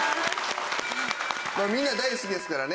みんな大好きですからね。